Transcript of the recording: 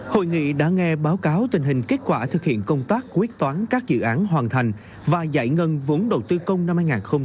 hội nghị đã nghe báo cáo tình hình kết quả thực hiện công tác quyết toán các dự án hoàn thành và giải ngân vốn đầu tư công năm hai nghìn hai mươi ba